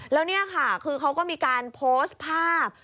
แล้วนี่ค่ะคือเขาก็มีการโพสต์ภาพ